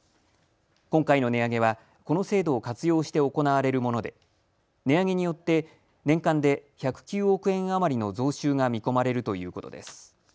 今回の値上げは、この制度を活用して行われるもので値上げによって年間で１０９億円余りの増収が見込まれるということです。